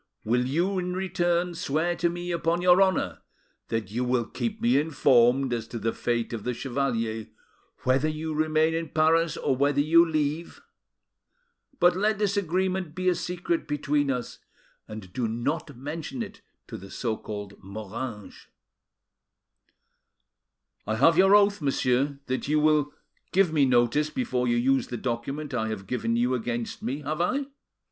Will you, in return, swear to me upon your honour that you will keep me informed as to the fate of the chevalier, whether you remain in Paris or whether you leave? But let this agreement be a secret between us, and do not mention it to the so called Moranges." "I have your oath, monsieur, that you will give me notice before you use the document I have given you against me, have I?